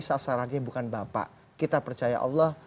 sasarannya bukan bapak kita percaya allah